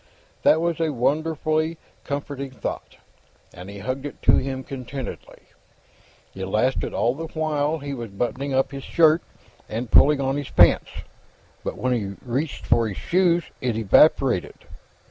That was a wonderfully comforting thought, and he hugged it to him contentedly. It lasted all the while he was buttoning up his shirt and pulling on his pants, but when he reached for his shoes, it evaporated.